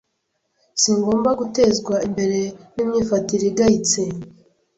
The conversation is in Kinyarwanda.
zigomba gutezwa imbere n’imyifatire igayitse